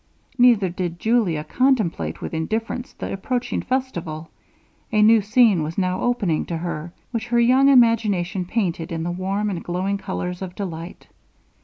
Neither did Julia contemplate with indifference the approaching festival. A new scene was now opening to her, which her young imagination painted in the warm and glowing colours of delight.